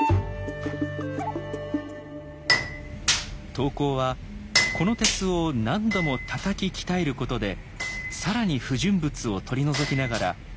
刀工はこの鉄を何度もたたき鍛えることで更に不純物を取り除きながら形を整えていきます。